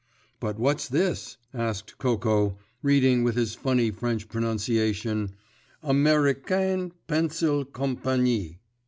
"But what's this?" asked Coco, reading with his funny French pronunciation, "A mer i cain Pencil Compagnie."